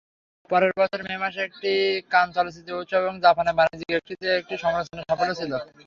পরের বছরের মে মাসে এটি কান চলচ্চিত্র উৎসব এবং জাপানের বাণিজ্যিক একটিতে একটি সমালোচনা সাফল্য ছিল।